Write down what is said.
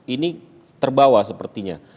ini terbawa sepertinya